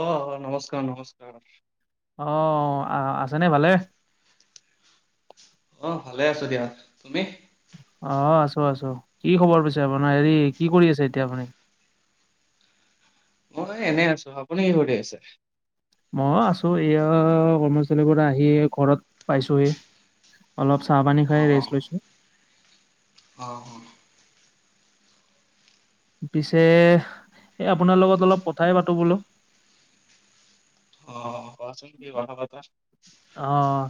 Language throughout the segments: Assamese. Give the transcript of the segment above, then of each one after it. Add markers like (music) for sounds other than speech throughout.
আহ অ নমস্কাৰ নমস্কাৰ আহ আহ আছেনে ভালে অ ভালে আছো দিয়া তুমি অ আছো আছো কি খবৰ পাইছে আপোনাৰ হেৰি কি কৰি আছে এতিয়া আপুনি (unintelligible) (inaudible) অ এনেই আছো আপুনি কি কৰি আছে কৰ্মচাৰীৰ পৰা আহি ঘৰত পাইছোহি অলপ চাহপানী খাই ৰেষ্ট লৈছোঁ অঁ অ পিছে এ আপোনাৰ লগত অলপ কথাই পাতো বোলো অ কচোন কি কথা পাতা অ',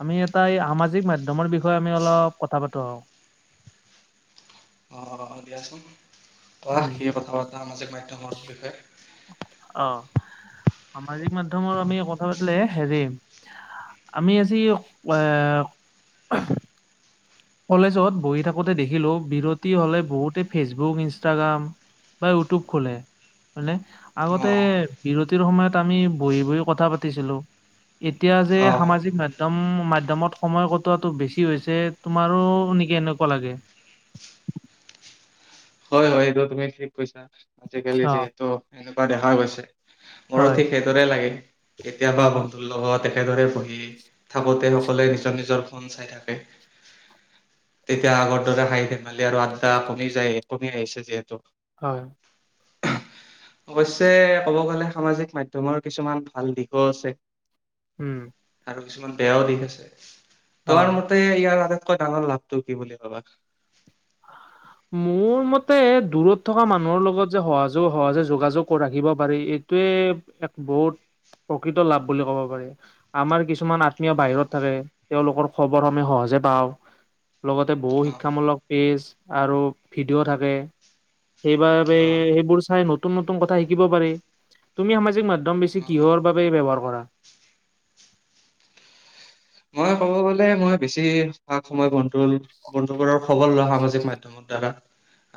আমি এটা এই সামাজিক মাধ্যমৰ বিষয়ে আমি অলপ (unintelligible) (inaudible) অ দিয়াচোন কোৱা উম, কি কথা পাতা সামাজিক মাধ্যমৰ বিষয়ে অ সামাজিক মাধ্যমৰ আমি কথা পাতিলে হেৰি আমি আজি এ কলেজত বহি থাকোতে দেখিলোঁ বিৰতি হ'লে বহুতে ফেচবুক ইনষ্টাগ্ৰাম বা ইউটিউব খোলে হয় নে আগতে অ', বিৰতিৰ সময়ত আমি বহি বহি কথা পাতিছিলো এতিয়া যে অ', সামাজিক মাধ্যম মাধ্যয়মত সময় কটোৱাটো বেছি হৈছে। তোমাৰো নেকি এনেকুৱা লাগে? হয় হয় এইটো তুমি ঠিক কৈছা আজিকালি অ', যিহেতু এনেকুৱা দেখা গৈছে। মোৰ হয়, ঠিক সেইদৰে লাগে কেতিয়াবা বন্ধু লগত। একেদৰে বহি থাকোঁতে সকলোৱে নিজৰ নিজৰ ফোন চাই থাকে। তেতিয়া আগৰ দৰে হাঁহি ধেমালি আৰু আদ্দা কমি যায় কমি আহিছে যিহেতু। হয়। (unintelligible) (inaudible) অৱশ্যে ক'ব গ'লে সামাজিক মাধ্যমৰ কিছুমান ভাল দিশও আছে। উম। আৰু কিছুমান বেয়াও দিশ আছে তোমাৰ অ', মতে ইয়াৰ। এটা ডাঙৰ লাভটো কি বুলি ভাবা? মোৰ মতে দূৰত থকা মানুহৰ লগত যে সহযোগ সহজে যোগাযোগ ৰাখিব পাৰি সেইটোৱে এক বহুত প্ৰকৃত লাভ বুলি ক'ব পাৰি আমাৰ কিছু কিছুমান আত্মীয় বাহিৰত থাকে তেওঁলোকৰ খবৰ আমি সহজে পাওঁ। লগতে বহু শিক্ষামূলক পেজ আৰু ভিডিঅ' থাকে। সেইবাবে অ', সেইবোৰ চাই নতুন নতুন কথা শিকিব পাৰি তুমি সামাজিক মাধ্যয়ম একদম বেছি কিহৰ বাবে ব্যৱহাৰ কৰা? মই ক'ব গ'লে মই বেছি স সময় বন্ধু বন্ধু বোৰৰ খবৰ লোৱা সম মাধ্যমৰ দ্বাৰা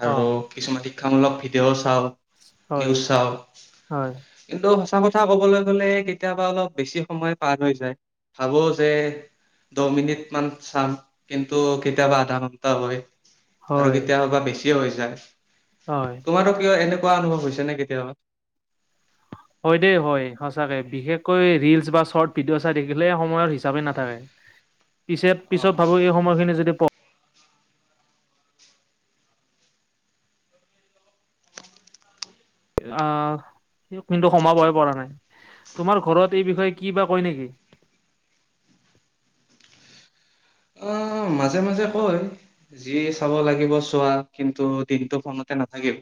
আৰু অ' কিছুমান শিক্ষামূলক ভিডিঅ' চাওঁ। হয়, নিউচ চাওঁ হয়, কিন্তু এটা কথা ক'বলৈ গ'লে কেতিয়াবা অলপ বেছি সময় পাৰ হৈ যায় ভাবোঁ যে দহ মিনিট মান চাম কিন্তু কেতিয়াবা আধা ঘন্টা হয়। আৰু হয়, কেতিয়া বা বেছিয়ে হৈ যায় হয়। তোমাৰো কিয় এনেকুৱা কোৱা অনুভৱ হৈছে নে কেতিয়াবা? হয় দেই হয় সঁচাকে বিশেষকৈ ৰিলচ বা শ্বৰ্টচ ভিডিঅ' চাই দেখিলে সময়ৰ হিচাপে নাথাকে। (unintelligible) (inaudible) পিছে অ পিছত ভাবোঁ এই সময়খিনি যদি প অহ কিন্তু সোমাবই পৰা নাই তোমাৰ ঘৰত এই বিষয়ে কি বা কয় নেকি? (unintelligible) (inaudible) অহ। অ মাজে মাজে কয় যি চাব লাগিব চোৱা কিন্তু দিনতটো ফোনতে নাথাকিবি।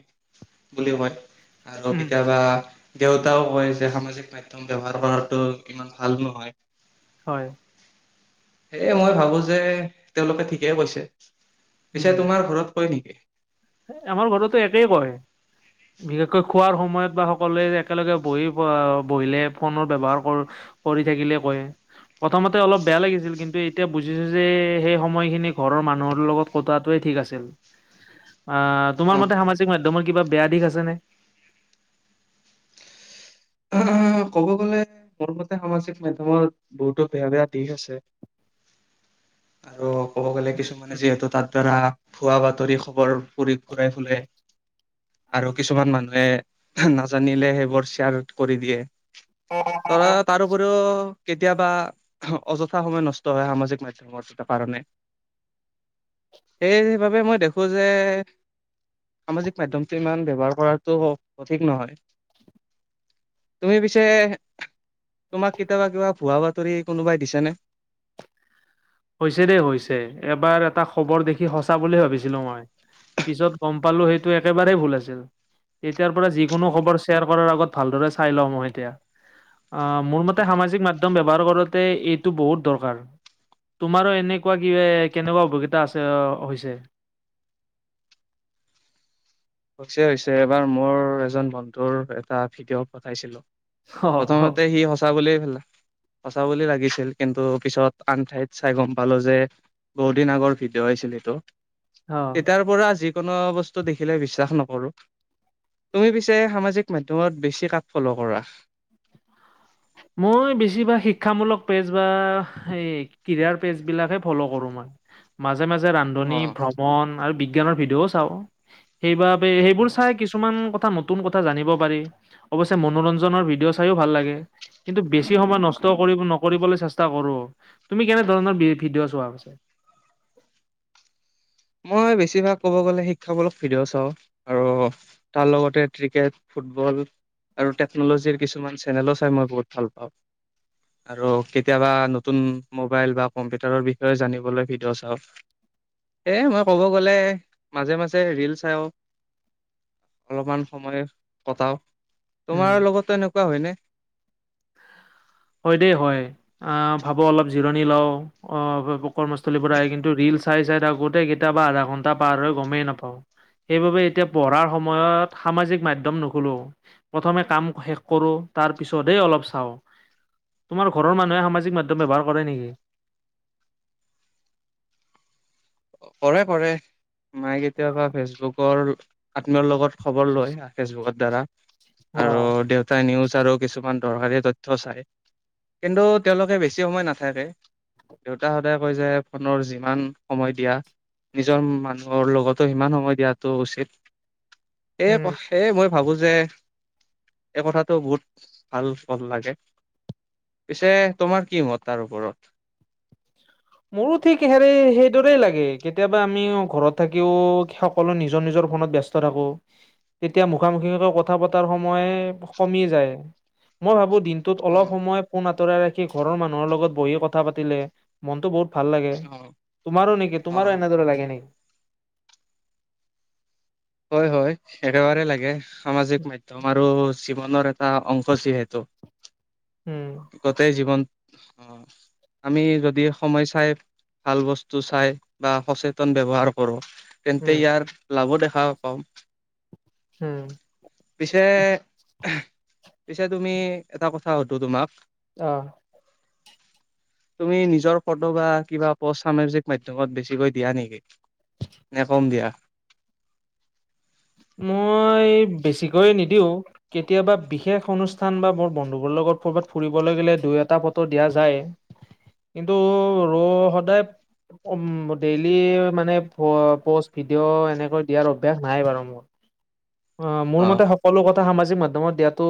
বুলি কয় আৰু উম, কেতিয়াবা। দেউতাও কয় যে সামাজিক মাধ্যম ব্যৱহাৰ কৰাটো ইমান ভাল নহয়। হয়। এ মই ভাবোঁ যে তেওঁলোকে ঠিকে কৈছে। পিছে তোমাৰ ঘৰত হয় নেকি? হে আমাৰ ঘৰতো একেই কয়। বিশেষকৈ খোৱাৰ সম সময়ত বা সকলোৱে একেলগে বহি- অ'- বহিলে ফোনৰ ব্যৱহাৰ কৰ- কৰি থাকিলে কয়। প্ৰথমতে অলপ বেয়া লাগিছিল। কিন্তু এতিয়া বুজিছোঁ যে সেই সময়খিনি ঘৰৰ মানুহৰ লগত কটোৱাটোৱে ঠিক আছিল। (inaudible) অ'- তোমাৰ মতে সামাজিক মাধ্যমৰ কিবা বেয়া দিশ আছেনে? ক'ব গ'লে মোৰ মতে, সামাজিক মাধ্যমত বহুতো বেয়া - বেয়া দিশ আছে। আৰু ক'ব গ'লে, কিছুমানে যিহেতু তাৰ দ্বাৰা ভুৱাঁ বাতৰি খবৰ পুৰি ঘূৰাই ফুৰে। আৰু কিছুমান মানুহে নাজানিলে, সেইবোৰ শ্বেয়াৰ কৰি দিয়ে। ধৰা তাৰোপৰিও কেতিয়াবা অযথা সময় নষ্ট হয় সামাজিক মাধ্যমৰ দুটা কাৰণে। সেইবাবে মই দেখোঁ যে সামাজিক মাধ্যমটো ইমান ব্যৱহাৰ কৰাটো সঠিক নহয়। তুমি পিছে তোমাক কেতিয়াবা কিবা ভুৱা বা তৰি কোনোবাই দিছেনে? হৈছে দেই, হৈছে। এবাৰ এটা খবৰ দেখি সচ চাঁ বুলি ভাবিছিলোঁ মই। পিছত গম পালোঁ সেইটো একেবাৰে ভুল আছিল। ই তিয়াৰ পৰা যিকোনো খবৰ শ্বেয়াৰ কৰাৰ আগত ভালদৰে চাই লওঁ মই এতিয়া। অ'- মোৰ মতে সামাজিক মাধ্যম ব্যৱহাৰ কৰোঁতে এইটো বহুত দৰকাৰ। তোমাৰো এনেকুৱা কিবা- কেনেকুৱা অভিজ্ঞতা আছে অ'- হৈছে? ছে হৈছে। এবাৰ মোৰ এজন বন্ধুৰ এটা ভিডিঅ' পঠাইছিলোঁ। অ অ প্ৰথমতে সি সঁচা বুলিয়েই পেলা সঁচা বুলি লাগিছিল। কিন্তু পিছত আন ঠাইত চাই গম পালোঁ যে, বহু দিন আগৰ ভিডিঅ' হৈছি লে তো। অ তেতিয়াৰ পৰা যিকোনো বস্তু দেখিলে বিশ্বাস নকৰোঁ। তুমি পিছে সামাজিক মাধ্যমত বেছি কাক ফ'ল' কৰা? মোৰ বেছিভাগ শিক্ষামূলক পেজ বা সেই কেৰিয়াৰ পেজবিলাক হে ফ'ল' কৰোঁ মই। মাজ মাজে - মাজে অ ৰান্ধনী, ভ্ৰমণ, আৰু বিজ্ঞানৰ ভিডিঅ'ও চাওঁ। সেইবা বে অ সেইবোৰ চাই কিছুমান কথা তুন কথা জানিব পাৰি। অৱশ্যে মনোৰঞ্জনৰ ভিডিঅ' চাইয়ো ভাল লাগে। কিন্তু বেছি সময় নষ্ট কৰিব ন কৰিবলৈ চেষ্টা কৰোঁ। তুমি কেনেধৰণৰ বি- ভিডিঅ' চোৱা পিছে? মই বেছিভাগ ক'ব গ'লে, শিক্ষামূলক ভিডিঅ' চাওঁ। আৰু তাৰ লগতে ক্ৰিকেট ফুটবল, আৰু টেকন'লজিৰ কিছুমান চেনেলো চাই মই বহুত ভাল পাওঁ। আৰু কেতিয়াবা নতুন মোবাইল বা কম্পিউটাৰৰ বিষয়ে জানিবলৈ ভিডিঅ' চাওঁ। এ মই ক'ব গ'লে মাজে - মাজে ৰিল চাওঁ, অলপমান সময় কটাও। তোমাৰ উম। লগতো এনেকুৱা হয়নে? হয় দেই, হয়। অ'- ভাবোঁ অলপ জিৰণি লওঁ, অ'- কৰ্মস্থলিপৰা আহি কিন্তু ৰিল চাই - চাই থাকোঁতে কেতিয়াবা আধা ঘণ্টা পাৰ হয়, গমে নাপাওঁ। সেইবাবে এতিয়া পঢ়াৰ সময়ত সামাজিক মাধ্যম নুখুলোঁ। প্ৰথমে কাম শেষ কৰোঁ। তাৰ পিছতহে অলপ চাওঁ। তোমাৰ ঘৰৰ মানুহে সামাজিক মাধ্যম ব্যৱহাৰ কৰে নেকি? কৰে - কৰে। মায়ে কেতিয়াবা ফেচবুকৰ আত্মীয়ৰ লগত খবৰ লয় ফেচবুকৰ দ্বাৰা অ আৰু দেউতাই নিউজ আৰু কিছুমান দৰকাৰী তথ্য চাই কিন্তু তেওঁলোকে বেছি সময় নাথাকে। দেউতা সদায় কৈ যে ফোনৰ যিমান সময় দিয়া। নিজৰ মানুহৰ লগতো সিমান সময় দিয়াটো উচিত এ উম। ক এই মই ভাবো যে এই কথাটো বহুত ভাল লাগে। পিছে তোমাৰ কি মত তাৰ ওপৰত মোৰো ঠিক হেৰে সেই দৰেই লাগে। কেতিয়াবা আমিও‌ ঘৰত থাকিও সকলো নিজৰ নিজৰ ফোনত ব্যস্ত থাকো। তেতিয়া মুখামুখিাকে কথা পতাৰ সময় কমি যায় মই ভাবো। দিনটোত অলপ সময় পোন আঁতৰাই ৰাখি ঘৰৰ মানুহৰ লগত বহি কথা পাতিলে মনটো বহুত ভাল লাগে অ তোমাৰো নেকি অ তোমাৰো অ এনেদৰে লাগে নেকি? হয় হয় একেবাৰে লাগে সামাজিক মাধ্যম আৰু জীৱনৰ এটা অংশ যিহেতু উম, গোটেই জীৱন অ আমি যদি সময় চাই ভাল বস্তু চাই বা সচেতন ব্যৱহাৰ কৰোঁ। তেন্তে উম, ইয়াৰ লাভো দেখা পাওঁ। পিছে পিছে তুমি এটা কথা শুধো তোমাক। আহ (inaudible) তুমি নিজৰ ফটো বা কিবা পষ্ট সামাজিক মাধ্যমত বেছিকৈ দিয়া নেকি? নে কম দিয়া? মই বেছিকৈ নিদিও। কেতিয়াবা বিশেষ অনুষ্ঠান বা মোৰ বন্ধুবোৰ লগত ক'ৰবাত ফুৰিবলৈ গ'লে দুই এটা ফটো দিয়া যায়। কিন্তু ৰ সদায় উম। ম ডেইলি মানে পষ্ট ভিডিঅ' এনেকৈ দিয়াৰ অভ্যাস নাই বাৰু মোৰ। অ মোৰ মতে সকলো কথ- এ সামাজিক মাধ্যমত দিয়াটো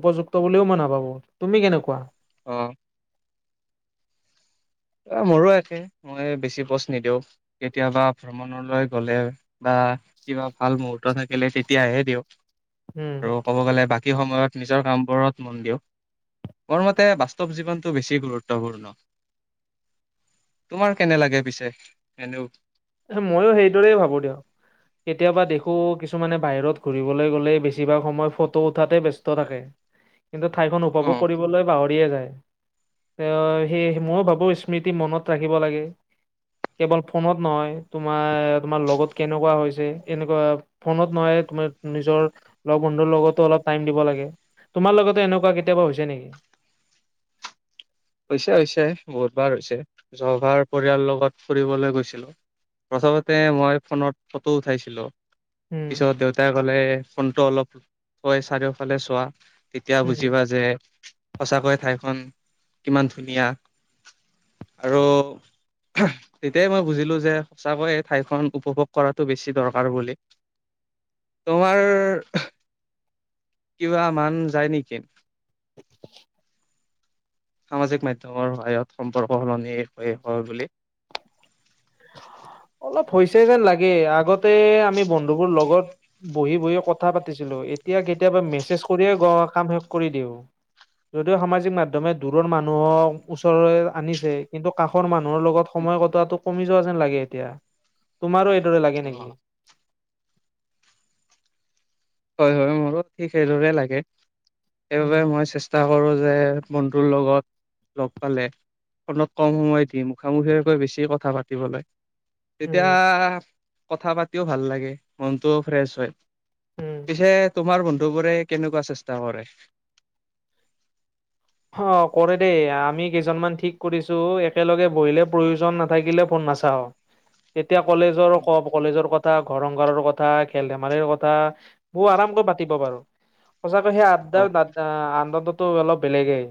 উপযুক্ত বুলিও মই নাভাবো। তুমি কেনেকুৱা? অ মোৰো একে মই বেছি পষ্ট নিদিওঁ কেতিয়াবা ভ্ৰমণলৈ গলে বা কিবা ভাল মুহুৰ্ত থাকিলে তেতিয়াহে দিওঁ উম। আৰু ক'ব গ'লে বাক- সেই সময়ত নিজৰ কামবোৰত মন দিয়ক। মোৰ মতে বাস্তৱ জীৱনটো বেছি গুৰুত্বপূৰ্ণ। তোমাৰ কেনে লাগে পিছে এনেও ময়ো সেইদৰে ভাবো দিয়ক কেতিয়াবা দেখো কিছুমানে বাহিৰত ঘুৰিবলৈ গ'লে বেছিভাগ সময় ফটো উঠাতে ব ব্যস্ত থাকে। কিন্তু ঠাইখন উপভোগ উম, কৰিবলৈ পাহৰিয়ে যায়। এ সেই ময়ো ভাবো স্মৃতি মনত ৰাখিব লাগে। কেৱল ফোনত নহয় তোমাৰ তোমাৰ লগত কেনেকুৱা হৈছে এনেকুৱা ফোনত নহয় তোমাৰ নিজৰ লগ বন্ধুৰ লগতো অলপ টাইম দিব লাগে। তোমাৰ লগতো এনেকুৱা কেতিয়াবা হৈছে নেকি? হৈছে হৈছে বহুত বাৰ হৈছে জবাৰ পৰিয়ালৰ লগত ফুৰিবলৈ গৈছিলো। প্ৰথমতে মই ফোনত ফটো উঠাইছিলো। উম, পিছত দেউতাই কলে ফোনটো অলপ থৈ চাৰিওফালে চোৱা। তেতিয়া উম। বুজি বা যে সঁচাকৈয়ে ঠাইখন কিমান ধুনীয়া। আৰু হেহ তেতিয়াই মই বুজিলো যে সঁচাকৈয়ে এই ঠাইখন উপভোগ কৰাটো বেছি দৰকাৰ বুলি। তোমাৰ কিবা মান যায় নেকি? (inaudible) সামাজিক মাধ্যমৰ সহায়ত সম্পৰ্ক সলনি হৈ হয় বুলি। (inaudible) অলপ হৈছে যেন লাগে আগতে আমি বন্ধুবোৰ লগত বহি বহি কথা পাতিছিলো। এত এতিয়া কেতিয়াবা মেছেজ কৰিয়ে গ কাম শেষ কৰি দিওঁ। যদিও সামাজিক মাধ্যমে দূৰৰ মানুহক ওচ তৰ আনিছে কিন্তু কাষৰ মানুহৰ লগত সময় কটোৱাটো কমি যোৱা যেন লাগে এতিয়া। তোমাৰো এইদৰে লাগে নেকি? অ'। হয় হয় মোৰো ঠিক সেইদৰে লাগে সেইবাবে উম মই চেষ্টা কৰো যে বন্ধুৰ লগত। লগ পালে, ফোনত কম সময় দিম মুখামুখীয়াকৈ বেছি কথা পাতিবলৈ তেতিয়া উম কথা পাতিও ভাল লাগে, মনটো ফ্ৰেছ হয়। উম পিছে তোমাৰ বন্ধুবোৰে কেনেকুৱা চেষ্টা কৰে? হ কৰে দেই আমি কেইজনমান ঠিক কৰিছো একেলগে বহিলে প্ৰয়োজন নাথাকিলে ফোন নাচাওঁ, এতিয়া কলেজৰ ক কলেজৰ কথা ঘৰ ৰং ঘৰৰো কথা, খেল -ধেমালিৰ কথা বহু আৰামকৈ পাতিব পাৰো। সঁচাকৈ সেই আন্ড অ', আনন্দতো অলপ বেলেগেই।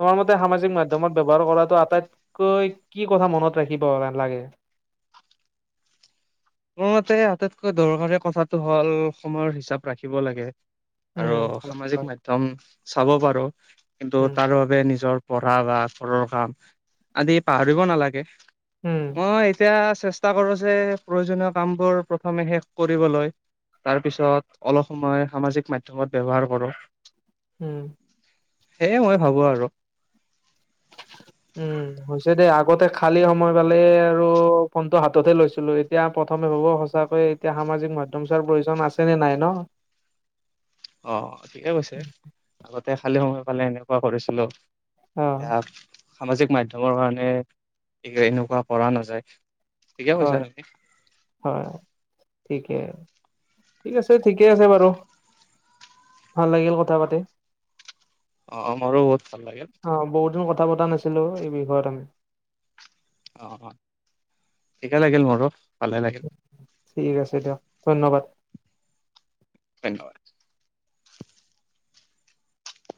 তোমাৰ মতে সামাজিক মাধ্যমত ব্যৱহাৰ কৰাটো আটাইতকৈ কি কথা মনত ৰাখিব নালাগে? মোৰ মতে আটাইতকৈ দৰকাৰী কথাটো হ'ল সময়ৰ হিচাপ ৰাখিব লাগে। উম আৰু সেইটো সামাজিক হয়। মাধ্যম চাব পাৰো কিন্তু উম তাৰ বাবে নিজৰ পঢ়া বা ঘৰৰ কাম আদি পাহৰিব নালাগে। উম অ এতিয়া চেষ্টা কৰো যে প্ৰয়োজনীয় কামবোৰ প্ৰথমে শেষ কৰিবলৈ। তাৰপিছত অলপ সময় সামাজিক মাধ্যমত ব্যৱহাৰ কৰোঁ। উম। সেয়ে মই ভাবো আৰু। উম হৈছে দেই আ আগতে খালী সময় পালে আৰু ফোনটো হাততে লৈছিলো এতিয়া প্ৰথমে ভাবো সঁচাকৈ এতিয়া হা সামাজিক মাধ্যম চোৱাৰ প্ৰয়োজন আছে নে নাই ন? অ ঠিকে কৈছে, আগতে খালি সময় পালে এনেকুৱা কৰিছিলো। অ এতিয়া সামাজিক মাধ্যমৰ কাৰণে, এনেকুৱা কৰা নাযায়। ঠিকে কৈছা হয় তুমি হয় ঠিকে ঠিক আছে। ঠিকে আছে বাৰু, ভাল লাগিল কথা পাতি। অ মোৰ বহুত ভাল লাগিল। অ বহুত দিন কথা পতা নাছিলো এই বিষয়ত আমি। অ অ, ঠিকে লাগিল মোৰো ভালে লাগিল। ঠিক আছে দিয়ক ধন্যবাদ। ধন্যবাদ।